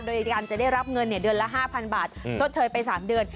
โดยการจะได้รับเงินเดือนละ๕๐๐บาทชดเชยไป๓เดือน